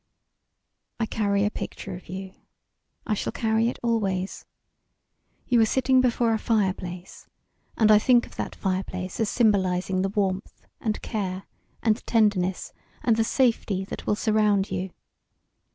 "I carry a picture of you. I shall carry it always. You are sitting before a fireplace, and I think of that fireplace as symbolising the warmth and care and tenderness and the safety that will surround you.